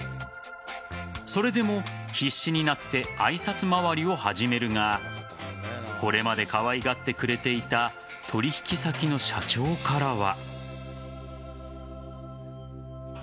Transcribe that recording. それでも必死になって挨拶回りを始めるがこれまでかわいがってくれていた取引先の社長からは。